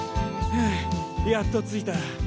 ふうやっと着いた。